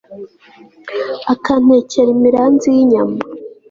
akantekera imiranzi y'inyama